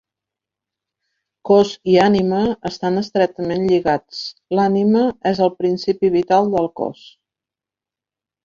Cos i ànima estan estretament lligats: l'ànima és el principi vital del cos.